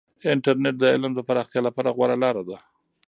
انټرنیټ د علم د پراختیا لپاره غوره لاره ده.